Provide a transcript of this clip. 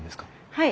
はい。